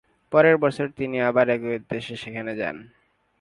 পরের বছর তিনি আবার একই উদ্দেশ্যে সেখানে যান।